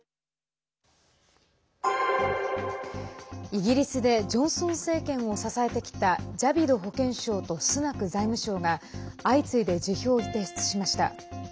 イギリスでジョンソン政権を支えてきたジャビド保健相とスナク財務相が相次いで辞表を提出しました。